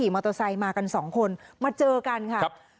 มากันสองคนมาเจอกันค่ะ